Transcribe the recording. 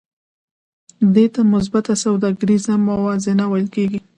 دې ته مثبته سوداګریزه موازنه ویل کېږي